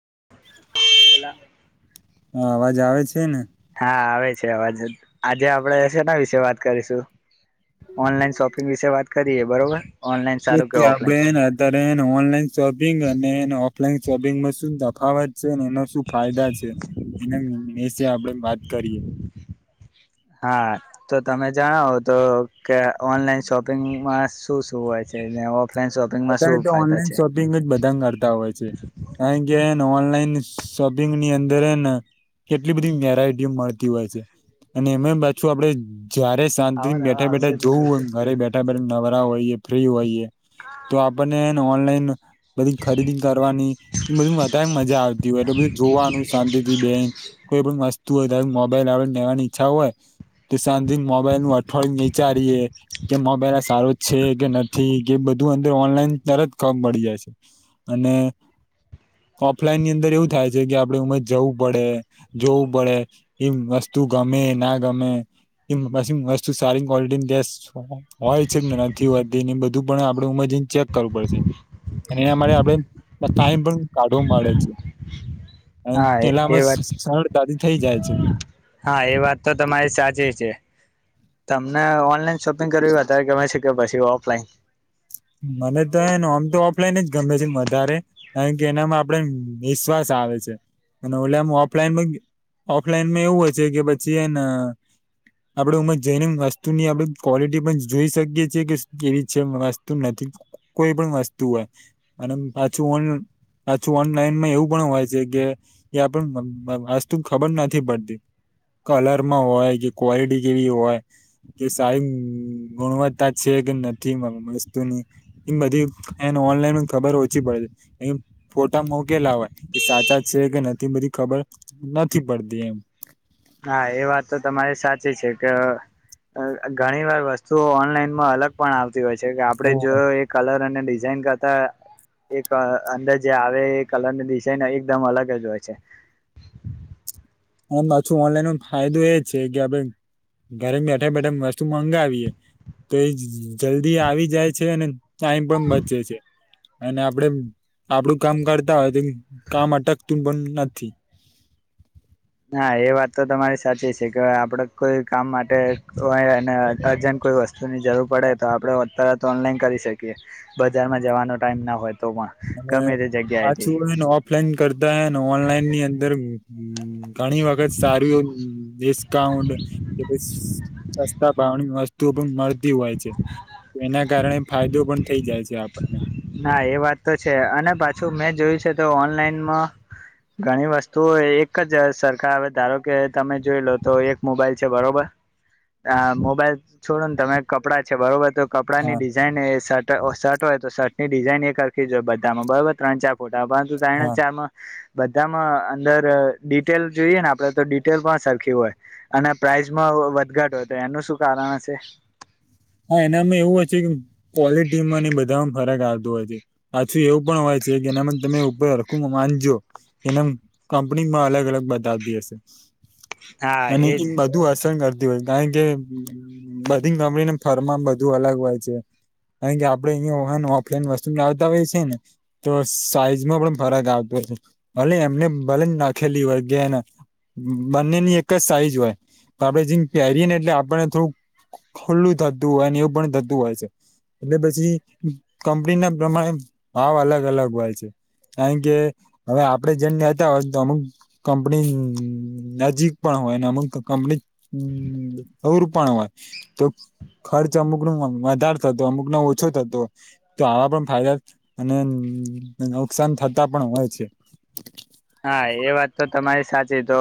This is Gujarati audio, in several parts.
[unintelligible] હ અવાજ આવે છે, ને હા આવે છે, આવે છે, અવાજ આજે આપડે છેના વિશે વાત કરીશું ઓનલાઈન શોપિંગ વિશે વાત કરીએ બરોબર ઓનલાઈન સારું કે ઓફલાઈન બેન એ ટ્રેન [inaudible] ઓનલાઈન શોપિંગ અને એને ઓફલાઈન શોપિંગમાં શું દખાવત ને એના શું ફાયદા છે, એના આપડે વાત કરીએ હા તો તમે જણાવો તો કે ઓનલાઈન શોપિંગમાં શું શું હોય છે. ઓફલાઈન શોપિંગમાં અત્યારે શું તો ફાયદા ઓનલાઈન છે શોપિંગ જ બધા કરતા હોય છે, કારણ કે ઓનલાઈન શોપિંગ ની અંદર ને કેટલી બધી વેરાયટી મળતી હોય છે. અને એમે પાછું આપડે જયારે શાંતિ આવા નવા બેઠા આવશે બેઠા જ જોવું હોય ને ઘરે બેઠા બેઠા નવરા હોઈએ ફ્રી હોઈએ તો આપણનેને ઓનલાઈન બધી ખરીદી કરવાની એ બધ બ મજા આવતી હોય બરોબર જોવાનું શાંતિથી બે કોઈ પણ વસ્તુ હોય ત મોબાઈલ આપને લેવાની ઈચ્છા હોય સાાજિ મોબાઈલ નું અઠવાડયું વિચારીએે કે મોબાઈલ આ સારો જ છે, કે નથી કે બધું બધું અંદર ઓનલાઈન તર જ કબ મળી જાય છે, અને ઓફલાઈન ની અંદર એવું થાય છે, કે આપડે ઉમર જવું પડે જોવું પડે એ તું ગમે ના ગમે એ પછી વસ્તુ સારી ક્વલિટીની હોય છે, કે નથી હોતી બધું પણ આપણે ઉમરજીને ચેક કરવું પડશે અને એના માટે આપણે ટાઈમ પણ કાઢો મળે છે અને હા પેલા એ આમાં વાત શળ દાદી થઈ જાય છે્ હા એ વાત તો તમારી સાચી છે. તમને ઓનલાઈન શોપિંગ કર્યું અત્યારે ગમે છે, કે પછી ઓફલાઈન મને તો એ આમ તો ઓફલાઈન જ ગમે છે, વધારે કારણ કે એનામાં આપડે નિશ્વાસ આવે છે, અને ઓલેમ ઓફલાઈનમાં ઓફલાઈનમાં એવું હોય છે કે પછી એને આપડે ઉમાં જઈને વસ્તુની આપડે ક્વોલિટી પણ જોઈ શકીએ છીએ કે કેવી છેસ્ત નથી કોઈ પણ વસ્તુ હોય અને પાછું ઓન પાછું ઓનલાઈનમાં એવું પણ હોય છે કે એ આપ વસ્તુ ખબર નથી પડતી કલરમાં હોય કે ક્વોલિટી કેવી હોય કે સાઈ ગુણવત્તા છે. નથી માં વસ્તુ એમ બધી એને ઓનલાઈન ખબર ઓછી પડે છે એ ફોટા મોકેલાવા એ સાચા છે કે નથી બધ ખબર નથી પડતી એમ. હા એ વાત તો તમારી સાચી છે કે ઘણી વાર વસ્તુઓ ઓનલાઈનમાં અલગ પણ આવતી હોય છે કે આપડે જો એ કલર અને ડિઝ ઇનિંગ કરતા એ અંદર જે આવે એ કલરની ડિઝાઇન એકદમ અલગ જ હોય છે. [inaudible] એમ પાછું ઓનલાઈનમાં ફાયદો એ છે કે આપે ઘરે બેઠા બેઠા વસ્તુ મંગાવીએ તો એ જલ્દી આવી જાય છે અને સા એમ પણ બચે છે. અને આપડે આપડું કામ કરતા હોય તો કામ અટકતું પણ નથી. [inaudible] નાા એ વાત તો તમારી સાચી છે કે આપડ કોઈ કામ માટે કો અજ કોઈ વસ્તુની જરૂર પડે તો આપડ તરત ઓનલાઈન કરી શકીએ બજારમાં જવાનો ટાઈમ ના હોય. તો પણ અને ગમે તે જગ્યાએથી પાછું એને ઓફલાઈન કરતા હને ઓનલાઈન ની અંદર ઘણી વખત સારું ડિસ્કાઉન્ટ કે સસ્તા ભાવણીસ્ત પણ મળતી હોય છે એના કારણે ફાયદો પણ થઈ જાય છે આપણને. ના એ વાત તો છે અને પાછું મેં જોયું છે તો ઓનલાઈનમાં ઘણી વસ્તુ એક જ સરખા હવે ધારો કે તમે જોઈ લો તો એક મોબાઈલ છે બરોબર. આ મોબાઈલ છોડો ને તમે કપડાં છે બરોબર તો કપડાં ની હા ડિઝાઇન શર્ટ હોય તો શર્ટની ડિઝાઇન એ કરખી જોય બધામાં બરોબર ત્રણ ચાર ફૂટ બા તો તણ હા ચ આમાં બધામાં અંદર ડિટેલ જોઈએ ને આપડે તો ડિટેલ પણ સરખી હોય અને પ્રાઇઝમાં વધઘાટ હો હતો એનું શું કારણ હ છે. હા એનામાં એવું હ છે કે ક્વોલિટી બધામાં ફરક આવે. હોય છે પાછું એવું પણ હોય છે કે એનામાં તમે ઉપરખું માનજો. એને કંપનીમાં અલગ અલગ બતાવતી હશે. હા અને એજ એમ બધું અસર કરતી હોય કારણ કે બધી ગમીને થર્મામ બધું અલગ હોય છે. કારણ કે આપડણે અહીંયા ઓહન ઓફલાઈન વસ્તુ લાવતા હોય છે ને તો સાઈઝમાં પણ ફરક આવતો. ભલે એમને ભલે નાખેલી વર્ગ્યા એને બંને ની એક જ સાઈઝ હોય આપડે જે પહેરીએ ને એટલે આપને થોડુંક ખુલ્લું થતું હોય ને એવું પણ થતું હોય છે. એટલે પછી કંપની ના પ્રમાણે ભાવ અલગ અલગ હોય છે. કારણ કે હવે આપડે જેમ નનેતા હોય તો અમુક કંપની નજીક પણ હોય અમક કં અવ રપણ હોય તો ખર્ચ અમુક ન વધાર થતો અમુકનો ઓછો થતો તો આવા પણ ફાયદા અને નુકસાન થતા પણ હોય છે. [inaudible] હા એ વાત તો તમારી સાચી તો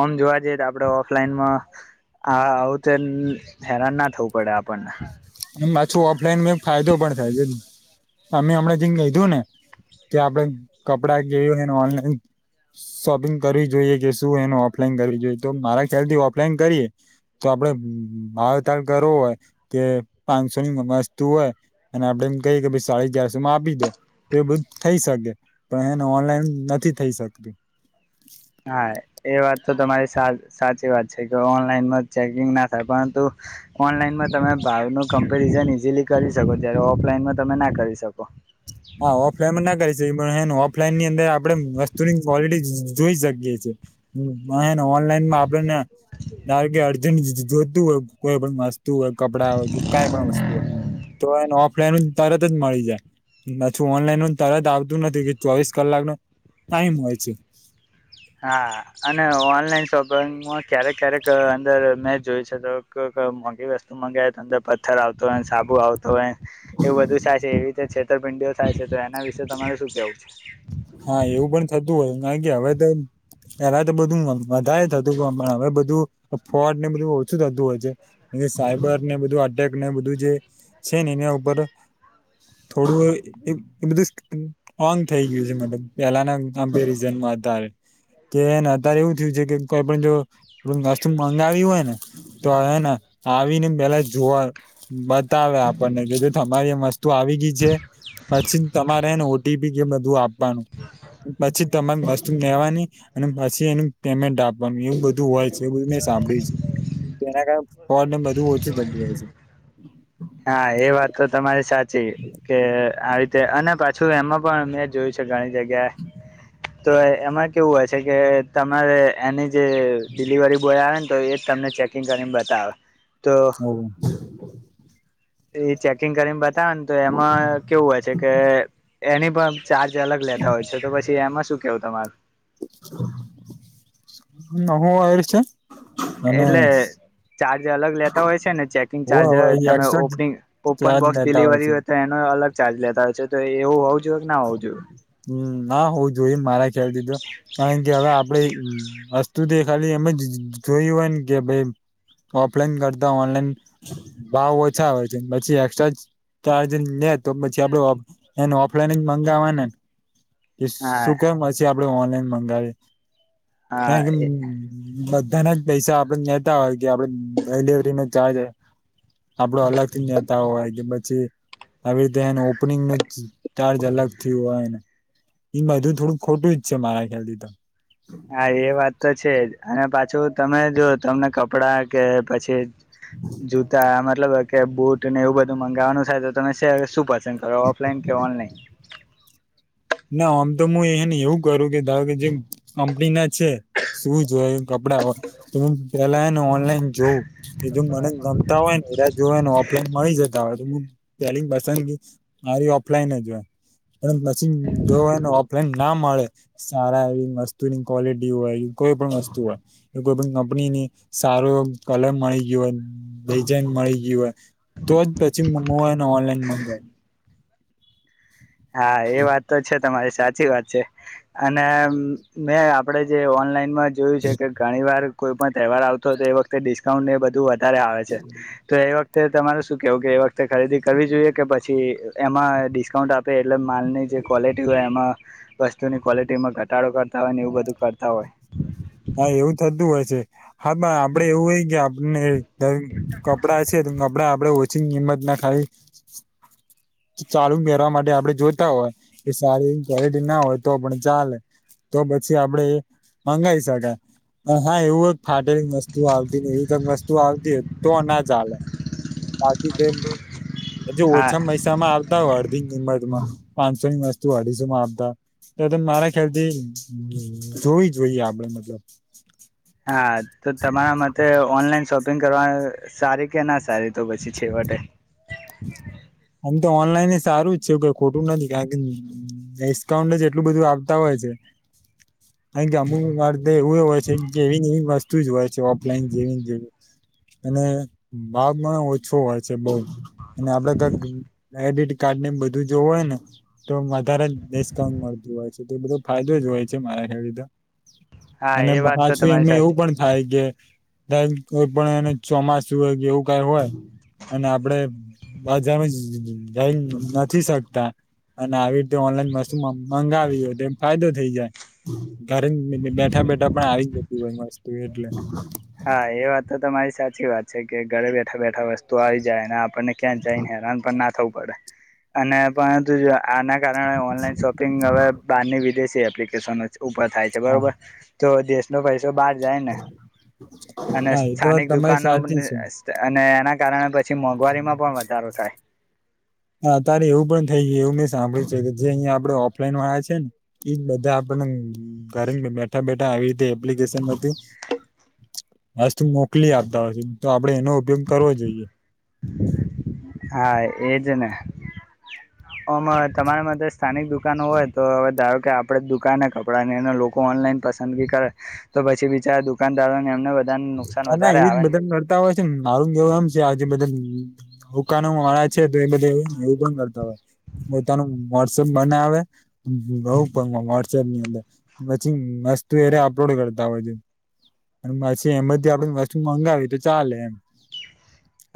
ઓમ જોવા જઈએ તો આપડ ઓફલાઈનમાં હા આવું તો હેરાન ના થવું પડે આપણને. અને પાછું ઓફલાઈન મે ફાયદો પણ થાય છેને અમે હમણાં જેને કીધું ને કે આપડે કપડા જેયું હોય ઓનલાઈન શોપિંગ કરવી જોઈએ કે શું એનું ઓફલાઈન કરવી જોઈએ તો મારા ખ્યાલ થી ઓફલાઈન કરીએ તો આપડ હતાર કરવો હોય કે પાંચસો ની વસ્તુ હોય અને આપડે એમ કહીએ કે સાડી ચારસો માં આપી દો તો એ બધું થઈ શક પણ એને ઓનલાઈન નથી થઈ શકતું હા એ વાત તો તમારી સા સાચી વાત છે કે ઓનલાઈનમાં ચેકિંગ ના થાય પરંતુ ઓનલાઈનમાં તમે ભાવ નો કમ્પેરિઝન ઈઝીલી કરી શકો ત્યારે ઓફલાઈનમાં તમે ના કરી શકો હા ઓફલાઈન માં ના કર છે પણ હેને ઓફલાઈન ની અંદર આપડે વસ્તુની ક્વોલિટી જોઈ શકીએ છે ઓનલાઈનમાં આપેને કે અર્જન્ટ જોતું હોય કોઈ પણ મસ્ વસ્ત હોય કપડા કઈ પણ વસ્તુ હોય તો એને ઓફલાઈન તરત જ મળી જા પછી ઓનલાઈન તરત આવતું નથી કે ચોવીસ કલાક નો ટાઈમ હોય છે. હા અને ઓનલાઈન શોપિંગમાં ક્યારેક ક્યારેક અંદર મેં જોય છે તો મોંઘી વસ્તુ મંગાવ તો અંદર પથ્થર આવતો હોય સાબુ આવતો હોય એવું બધું થાય છે એવી રીતે છેતરપિંડીઓ થાય છે તો એના વિશે તમારે શું કેવું છે? હા એવું પણ થતું હોય કારણ કે હવે તો પેલા તો બધું વધારે થતું હવે બધું ફ્રોડ ને બધું ઓછું થતું હોય છે સાઈબર ને બધું અટેક ને બધું જે છે ને એના ઉપર થોડું એ બધું ઓન થઈ ગયું પેલાના આપડે રીઝન મા હતા તે એને અત્યારે એવું થયું છે કે પણ જો વસ્તુ મંગાવી હોય ને તો હે ને આવીને પેલા જોવા બતાવે આપણને તમારી મસ્તી તો આવી ગી જે પછી તમારેને ઓટીપી કે બધું આપવાનું પછી તમારી વસ્તુ લેવાની અને પછી એનું પેમેન્ટ આપવાનું એવું બધું હોય બધું મેં સાંભળ્યું છે તો એના કારણે પ્રોબલેમ બધું ઓછું થતું હોય છે હા એ વાત તો તમારી કે આવી રીતે અને પાછું એમાં પણ મેં જોયું છે. ઘણી જગ્યા તો એમાં કેવું હોય છે કે તમારે એની જે ડિલિવરી બોય આવે ને તો એ તમને ચેકિંગ કરીને બતાવે. તો હવ એ ચેકિંગ કરીને બતાવે ને તો એમાં કેવું હોય છે કે એની પણ ચાર્જ અલગ લેતા હોય છે તો પછી એમાં શું કેવું તમારું? હું આવેર છે? અને એટલે ચાર્જ અલગ લેતા હોય છે ને ચેકિંગ હોય ચાર્જ હોય તમે extra opening open charge box લેતા ડિલિવરી છે હોય તો એનો અલગ ચાર્જ લેતા હોય છે તો એવું હોઉ હમ ના હું જોય મારા ખ્યાલથી તો કારણ કે હવે આપડે વસ્તુ તે ખાલી એમે જ જોયું હોય ને કે ભાઈ ઓફલાઈન કરતા ઓનલાઈન ભાવ ઓછા આવે છે પછી એસ્ટ્રા તો આજે ને તો પછી આપડે ઓપ એન ઓપ ઓલાઈન મંગાવાના ને કે હા શું કેમ પછી આપડે ઓનલાઈન મંગાવીયે હા કારણ કે મદ ધાના જ પૈસા આપડે નેતા હોય કે આપડે ડિલિવરી નો ચાર્જ આપડો અલગથી નેતા હોય કે પછી આવી રીતે એને ઓપનિંગ ન ચાર્જ અલગ થી હોયને એ બધું થોડુંક ખોટું જ છે મારા ખ્યાલથી તો હા એ વાત તો છે જ અને પાછું તમે જો તમને કપડા કે પછી જૂતા મતલબ કે બુટ ને એવું બધું મંગાવાનું થાય તમે શું પસંદ કરો ઓફલાઈન કે ઓનલાઈન? [inaudible] ના આમ તો હું એને એવું કરું કે ધારકો કે જે કંપની ના છે શું જોય કપ પડા હૌ તો હું પેલા એને ઓન ઓલાઈન જોવ કે જો મને ગમતા હોય ને એ જોને ઓફલાઈન મળી જતા હોય તો પેલી પસંદગી મારી ઓફલાઈન જ હોય. જીન ઓન ઓફલાઈન ના મળે સારા એવી વસ્તુની કો્લિટી હોય કોઈ પણ વસ્તુ કોઈ પણ કંપની ની સારો કલર મળી ગયયો હોય ડિઝઇન મળી ગય હોય. તો જ પછી મંગવા ને ઓનલાઈન મગાવ. હા એ વાત તો છે તમારી સાચી વાત છે અને મે આપણે જે ઓનલાઈનમાં જોયું છે કે ઘણી વાર કોઈ પણ તહેવાર આવતો હોય તો એ વખતે ડિસ્કાઉન્ટ ને બધું વધ અત્યારે આવે છે તો એ વખતે તમારે શું કેવું કે એ વખતે ખરીદી કરવી જોઈએ કે પછી એમાં ડિસ્કાઉન્ટ આપે એટલે માલની જે ક્વૉલિટી હોય એમાં વસ્તુની ક્વૉલિટીમાં ઘટા ઘટાડો કરતા હોય ને એવું બધું કરતા હોય. હા એવું થતું હોય છે હા પણ આપડે એવું હોય કે આપને કપડા છે કપડા આપડે ઓ. [unintelligible] ચાલુ મેરવા માટે આપડણે જોતા હોય કે સારી એવી ક્વોલિટી ના હોય તો પણ ચાલે. તો પછી આપડે એ મંગાઈ શકાય. હ હા એવું એક ફાટેલી વસ્તુ આવતી એવી વસ્તુ આવતી હો તો ના ચાલે. [inaudible] [inaudible] હા ઓછામાં પૈ આપતા હોય અડધી કિંમત માં પાંચસો ની વસ્તુ અઢીસો માં આપતા તો તો મારા ખ્યાલથી જોવી જોઈએ આપડે. હા તો તમારા મતે ઓનલાઈન શોપિંગ કરવા સારી કે ના સારી તો પછી છેવટે. આમ તો ઓનલાઈન સારું જ છે ખોટું નથી કારણ કે ડિસ્કાઉન્ટ જ એટલું બધું આપતા હોય છે. કેન કે અમુક વાર એવી હોય છે જેવી ની વશ તુજ હોય ઓફલાઈન જેવી જેવી ઓછો હોય છે બો કા ક્રેડિટ કાર્ડ ને બધું જો હોય ને તો વધારે ડિસ્કાઉન્ટ મળતું હોય છે. તો તો બધો ફાયદો જ હોય છે મારા હારુતો. હા અને એ વાત તો પાછું તમારી એમા એવું સાચી પણ થાય કે [unintelligible] કોઈ પણ એને ચોમાસું હોય એવું કાઈ હોય અને આપણે [unintelligible] નથી શકતા અને આવી રીતે ઓનલાઈન વસ્તુ મંગાવીએ. એ ફાયદો થઈ જાય ઘરે બેઠા બેઠા પણ આવી. [inaudible] હા એ વાત તો તમારી સાચી વાત છે કે ઘરે બેઠા બેઠા વસ્તુ આવી જાય ને આપ આપને ક્યાં જઈને હેરાન પન ના થવું પડે અને પરંતુ જો આ. આના કારણે ઓનલાઈન શોપિંગ હવે બહારની વિદેશી એપ્લિકેશનો છે. ઉપર થાય છે હા બરોબર તો દેશ નો પૈસો બાર જાય ને. અને હા એ તો સ્થાનિક તમારી દુકાનો સાચી છે. અને એના કારણે પછી મોંઘવારીમાં પણ વધારો થાય. હા અત્યારે એવું પણ થઈ ગય એવું મેં સાંભળ્યું છે કે જે અહીંયા આપડે ઓફલાઈન વાળા છે ને ઈજ બધા ઘરે બેઠા બેઠા આવી રીતે એપ્લિકેશન હતી. [inaudible] મસ્ત મોકલી આપતા હોય તો આપડે એનો ઉપયોગ કરવો જોઈએ. હા એજ ને અમારે તમારા માટે સ્થાનિક દુકાનો હોય તો હવે ધારો કે આપડે દુકાન કપડા ને લોકો ઓનલાઈન પસંદગી કરે તો પછી બિચારા દુકાનદારો ને એમને [unintelligible] બધાને નુકસાન છે. મારુ [unintelligible] વધારે આવે ને એવું પણ કરતા હોય. પોતાનું વોટસઅપ બનાવે બોઉ વોટસપની અંદર પછી મસ્ત તું એ અપલોડ કરતા હોય આને [unintelligible] તેમ જ આપડે વસ્તુ મંગાવી તો ચાલે એમ.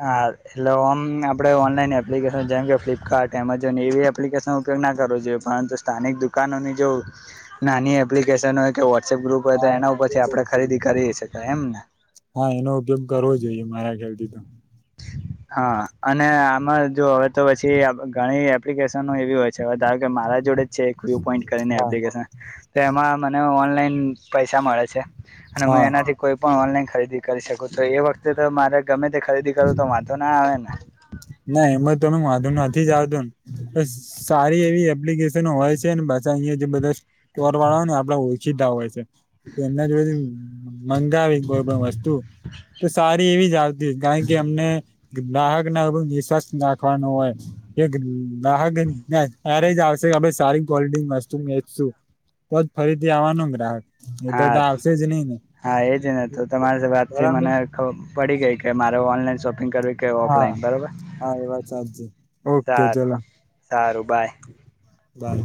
હા એટલે આમ આપણે ઓનલાઈન એપ્લિકેશન જેમ કે ફ્લિપકાર્ટ એમેઝોન એવી એપ્લિકેશનો ઉપયોગ ના કરવો જોઈએ પરંતુ સ્થાનિક દુકાન જો નાની [unintelligible] વોટ્સએપ ગ્રુપ હોય તો હા એના ઉપરથી આપણે ખરીદી કરી સકાય એમ ને હા એનો ઉપયોગ કરવો જોઈએ મારા ખ્યાલથી તો હા અને આમાં જો હવે તો પછી ઘણી એપ્લિકેશનો એવી હોય છે ધારો કે મારા જોડે જ છે એક વ્યુ પોઈન્ટ કરીને હા એપ્લિકેશન તો એમાં મને ઓનલાઈન પૈસા મળે છે અને હું હા એનાથી કોઈ પણ ઓનલાઈન ખરીદી કરી શકું એ વખતે તો મારે ગમે તે ખરીદી કરુ તો મા હેને ના એમાં તમે વાંધો નથી જ આવતો ને સારી એવી એપ્લિકેશન હોય છેને અ જે બધા ચર વાળા હોયને આપડા ઓળખીતા હોય છે એમના જોડે મા કોઈ વસ્તુ તો સારી એવી જ આવતી કારણ કે અમને ગ્રાહક ના નિશસ્થ નાખવાનો હોય એકહ્યારે જ આવશે સારી ક ક્વોલિટી વસ્તુ વચશું તોજ ફરીથી આવવાનો ગ્રાહક એ તો હા આવશે જ નહી ને હા એજ ને તો તમારી વાતથી બરાબર મને પડી ગઈ કે મારે ઓનલાઈન શોપ- કે હા ઓફલાઈન બરોબર હા એ વાત સાચી ઓકે સારું ચલો સારું બાય બાય